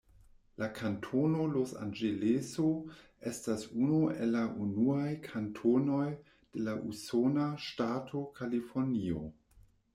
La kantono Los-Anĝeleso estas unu el la unuaj kantonoj de la usona ŝtato Kalifornio.